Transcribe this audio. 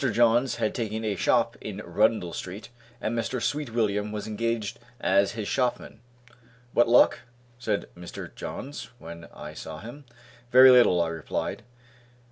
Johns had taken a shop in Rundle street, and Mr. Sweetwilliam was engaged as his shopman. "What luck?" said Mr, Johns when I saw him. "Very little," I replied.